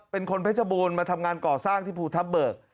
เป็นคนเพชรบูรณ์มาทำงานก่อสร้างที่ภูทับเบิก